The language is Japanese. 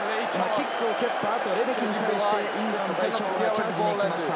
キックを蹴った後、レメキに対してイングランド代表がチャージに行きました。